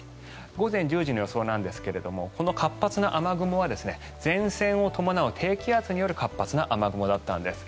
午前１０時の予想なんですがこの活発な雨雲は前線を伴う低気圧による活発な雨雲だったんです。